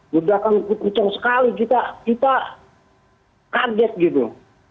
ledakan kerucung sekali kita kaget gitu